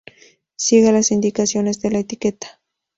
Siga las indicaciones de la etiqueta.